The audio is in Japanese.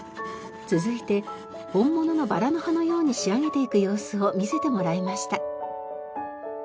続いて本物のバラの葉のように仕上げていく様子を見せてもらいました。